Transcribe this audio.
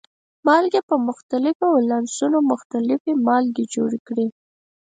مالګې په مختلفو ولانسونو مختلفې مالګې جوړې کړي.